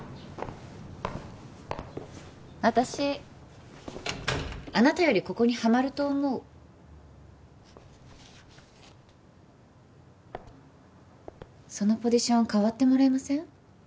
私あなたよりここにはまると思うそのポジション代わってもらえません？